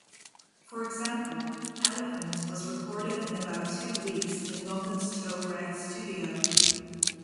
For example, "Elephant" was recorded in about two weeks in London's Toe Rag Studio.